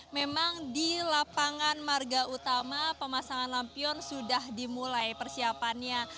memang di lapangan marga utama pemasangan lampion sudah dimulai persiapannya